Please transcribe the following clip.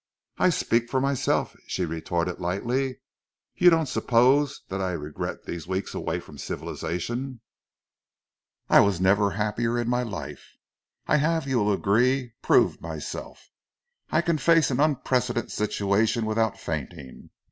"I speak for myself," she retorted lightly. "You don't suppose that I regret these weeks away from civilization. I never was happier in my life. I have, you will agree, proved myself. I can face an unprecedented situation without fainting.